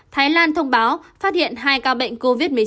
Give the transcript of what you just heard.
thái lan thông báo phát hiện hai ca bệnh covid một mươi chín